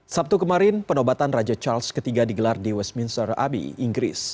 sabtu kemarin penobatan raja charles iii digelar di westminster abi inggris